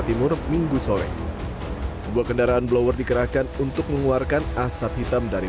timur minggu sore sebuah kendaraan blower dikerahkan untuk mengeluarkan asap hitam dari